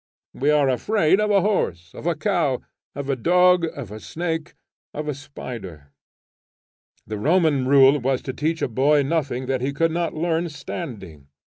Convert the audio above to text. We are afraid of a horse, of a cow, of a dog, of a snake, of a spider. The Roman rule was to teach a boy nothing that he could not learn standing.